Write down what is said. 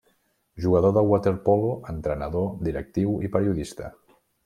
Jugador de waterpolo, entrenador, directiu i periodista.